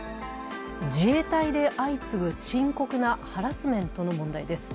自衛隊で相次ぐ深刻なハラスメントの問題です。